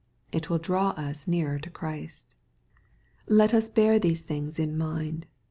It will draw us nearer to Christ. Let us bear these things in mind.